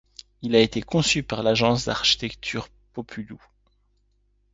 Il a été conçu par l'agence d'architecture Populous.